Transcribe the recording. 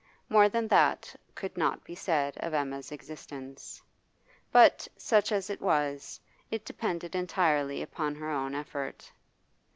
More than that could not be said of Emma's existence. But, such as it was, it depended entirely upon her own effort.